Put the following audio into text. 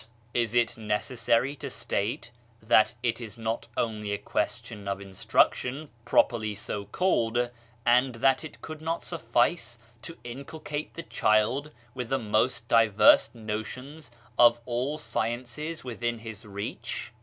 Is it necessary to state that it is not only aquestionof instruction properly so called, and that it could not suffice to inculcate the child with the most diverse notions of all sciences within his reach